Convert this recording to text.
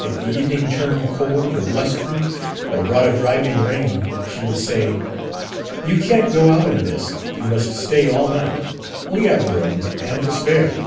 If the evening turned cold or blustery or brought a driving rain she would say: "You can't go out in this. You must stay all night. We have room and to spare."